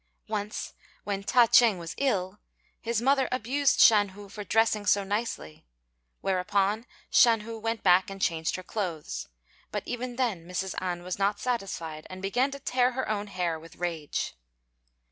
Once when Ta ch'êng was ill, his mother abused Shan hu for dressing so nicely; whereupon Shan hu went back and changed her clothes; but even then Mrs. An was not satisfied, and began to tear her own hair with rage.